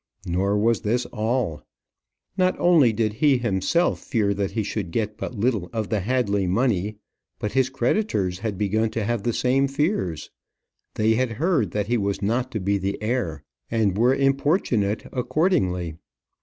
Nor was this all. Not only did he himself fear that he should get but little of the Hadley money, but his creditors had begun to have the same fears. They had heard that he was not to be the heir, and were importunate accordingly.